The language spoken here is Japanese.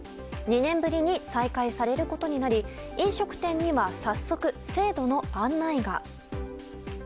２年ぶりに再開されることになり飲食店には早速、制度の案内が。